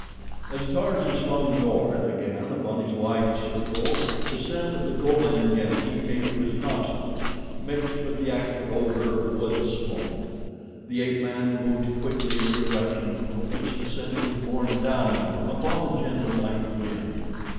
As Tarzan swung north again upon his wide circle the scent of the Gomangani came to his nostrils, mixed with the acrid odor of wood smoke. The ape man moved quickly in the direction from which the scent was borne down to him upon the gentle night wind.